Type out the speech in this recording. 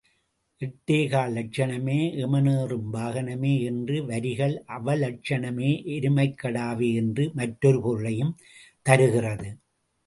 எட்டேகால் லட்சணமே எமனேறும் வாகனமே என்ற வரிகள் அவலட்சணமே எருமைக்கடாவே என்ற மற்றொரு பொருளையும் தருகிறது.